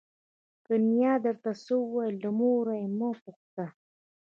که نیا درته څه وویل له مور یې مه پوښته.